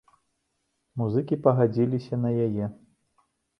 Музыкі пагадзіліся на яе.